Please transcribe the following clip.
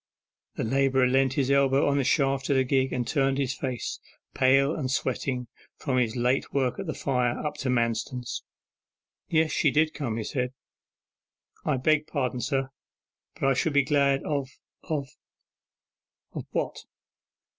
The labourer leant his elbow upon the shaft of the gig and turned his face, pale and sweating from his late work at the fire, up to Manston's. 'Yes, she did come,' he said.... 'I beg pardon, sir, but I should be glad of of ' 'What?